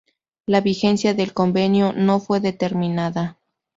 La vigencia del convenio no fue determinada.